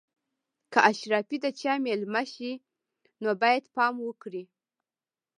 که اشرافي د چا مېلمه شي نو باید پام وکړي.